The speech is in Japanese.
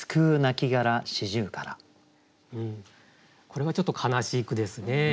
これはちょっと悲しい句ですね。